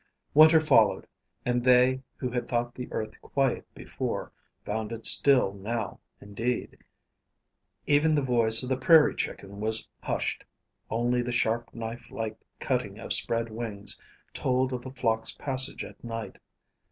Winter followed, and they, who had thought the earth quiet before, found it still now indeed. Even the voice of the prairie chicken was hushed; only the sharp knife like cutting of spread wings told of a flock's passage at night.